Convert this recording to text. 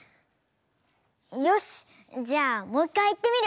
よしじゃあもういっかいいってみる！